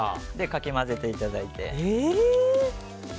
かき混ぜていただいて。